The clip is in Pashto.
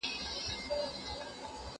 یوه ورځ له ناچارۍ ولاړى حاکم ته